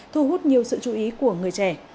thu hút nhiều sự chú ý của người trẻ